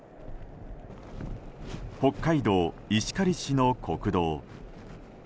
北海道石狩市の国道。